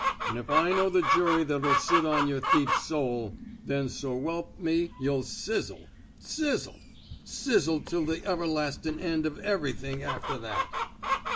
An' if I know the jury that'll sit on yer thief's soul, then, 83 THE SMOKE. EATERS sVelp me, yuh'll sizzle — sizzle — sizzle till th' everlastin' end of everything after that."